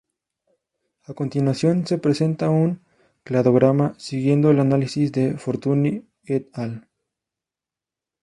A continuación se presenta un cladograma siguiendo el análisis de Fortuny "et al.